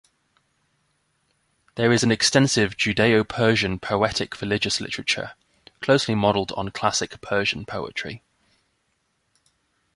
There is an extensive Judeo-Persian poetic religious literature, closely modeled on classical Persian poetry.